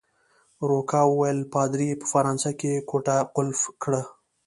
روکا وویل: پادري يې په فرانسه کې کوټه قلف کړه.